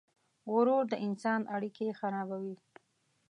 غرور د انسان اړیکې خرابوي.